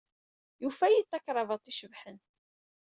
Yufa-iyi-d takrabaḍt icebḥen.